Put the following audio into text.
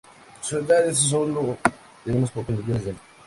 Su edad es sólo de unos pocos millones de años.